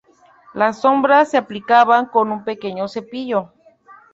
Las sombras se aplicaban con un pequeño cepillo.